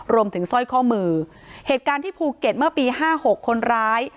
สร้อยข้อมือเหตุการณ์ที่ภูเก็ตเมื่อปีห้าหกคนร้าย